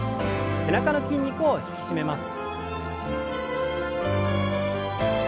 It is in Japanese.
背中の筋肉を引き締めます。